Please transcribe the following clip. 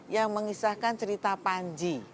yang mengisahkan cerita panji